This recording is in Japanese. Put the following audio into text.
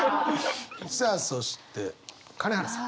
さあそして金原さん。